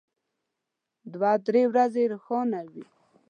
دوه درې ورځې روښانه وي.